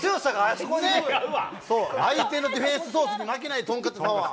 そう、相手のディフェンスソースに負けない豚カツパワー。